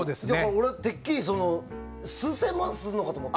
俺はてっきり数千万するのかと思って。